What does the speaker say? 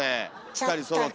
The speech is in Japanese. ２人そろって。